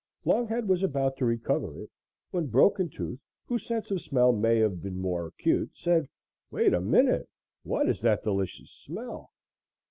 Longhead was about to recover it when Broken Tooth, whose sense of smell may have been more acute, said: "Wait a minute; what is that delicious smell?"